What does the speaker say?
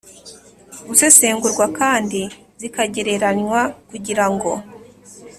gusesengurwa kandi zikagereranywa kugira ngo